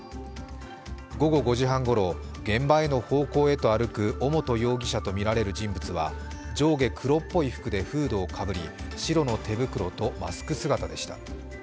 午後５時半ごろ、現場への方向へと歩く尾本容疑者とみられる人物は上下黒っぽい服でフードをかぶり、白の手袋とマスク姿でした。